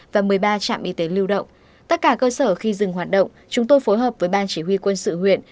và một mươi ba trạm y tế lưu động tất cả cơ sở khi dừng hoạt động chúng tôi phối hợp với ban chỉ huy quân sự huyện